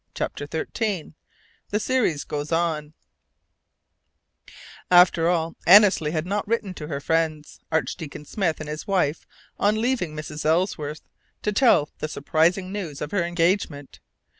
CHAPTER XIII THE SERIES GOES ON After all, Annesley had not written to her friends, Archdeacon Smith and his wife, on leaving Mrs. Ellsworth's, to tell the surprising news of her engagement.